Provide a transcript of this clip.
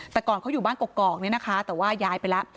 แต่ก่อนเขาอยู่บ้านกอกเนี่ยนะคะแต่ว่าย้ายไปแล้ว